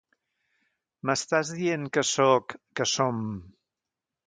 M'estàs dient que sóc, que som...?